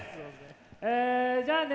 じゃあね